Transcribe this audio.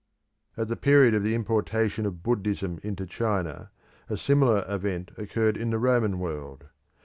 At the period of the importation of Buddhism into China, a similar event occurred in the Roman world.